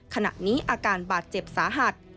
ขณะนี้อาการบาดเจ็บสาหัส